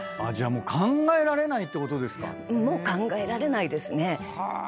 もう考えられないですね。